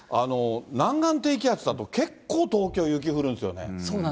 南岸低気圧だと結構東京、雪降るんですよね。